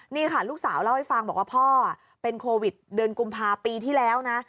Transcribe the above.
นี่ค่ะลูกสาวเล่าให้ฟังบอกว่าพ่อเป็นโควิดเดือนกุมภาปีที่แล้วนะ